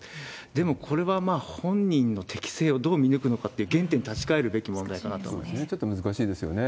でも、これは本人の適性をどう見抜くのかって、原点に立ち返るべき問題ちょっと難しいですよね。